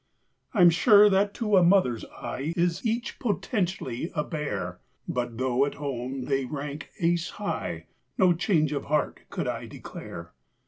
I'm sure that to a mother's eye Is each potentially a bear. But though at home they rank ace high, No change of heart could I declare.